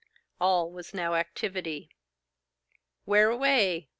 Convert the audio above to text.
All was now activity. 'Where away?